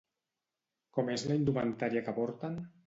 Com és la indumentària que porten?